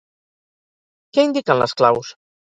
Què indiquen les claus?